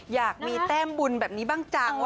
อยากมีแต้มบุญแบบนี้บ้างจัง